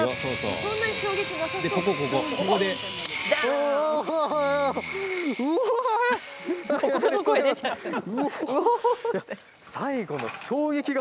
そんなに衝撃が？